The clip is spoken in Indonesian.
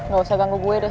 gak usah ganggu gue deh